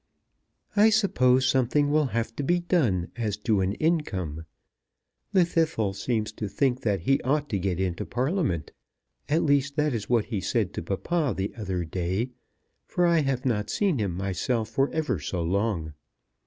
I suppose something will have to be done as to an income. Llwddythlw seems to think that he ought to get into Parliament. At least that is what he said to papa the other day; for I have not seen him myself for ever so long.